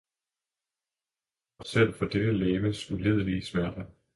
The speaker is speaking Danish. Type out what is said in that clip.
om kun selv for dette legems ulidelige smerter!